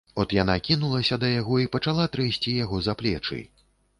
От яна кінулася да яго і пачала трэсці яго за плечы.